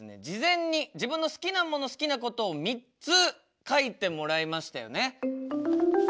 事前に自分の好きなもの好きなことを３つ書いてもらいましたよね？